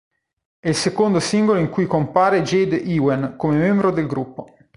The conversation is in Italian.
È il secondo singolo in cui compare Jade Ewen come membro del gruppo.